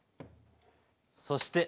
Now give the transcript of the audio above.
そして塩。